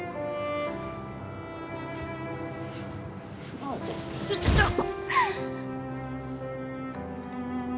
あっちょちょちょっ！